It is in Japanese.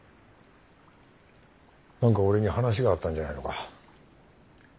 何か俺に話があったんじゃないのか。